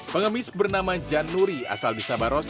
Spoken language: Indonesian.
pengemis bernama jan nuri asal di sabaros